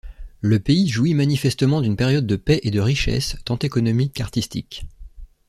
Le pays jouit manifestement d'une période de paix et de richesse tant économique qu'artistique.